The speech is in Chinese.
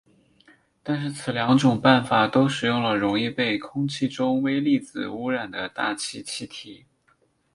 但是此两种方法都使用了容易被空气中微粒子污染的大气气体。